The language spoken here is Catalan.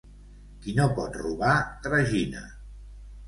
Qui no pot robar tragina.